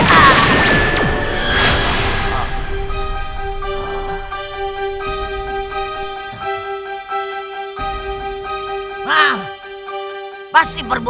boris lebih baik punyamu